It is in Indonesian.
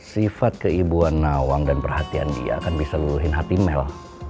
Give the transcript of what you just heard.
sifat keibuan nawang dan perhatian dia akan bisa luluhin hati mel